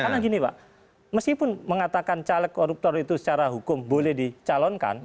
karena gini pak meskipun mengatakan caleg koruptor itu secara hukum boleh dicalonkan